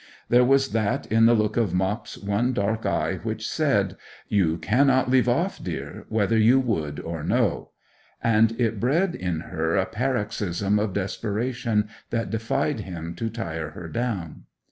There was that in the look of Mop's one dark eye which said: 'You cannot leave off, dear, whether you would or no!' and it bred in her a paroxysm of desperation that defied him to tire her down.